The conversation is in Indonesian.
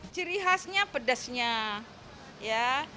ciri khasnya pedasnya ya